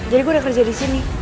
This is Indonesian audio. jadi gue udah kerja disini